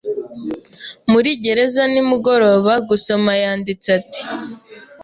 muri gereza nimugoroba gusomaYanditse ati: